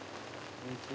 こんにちは。